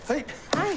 はい。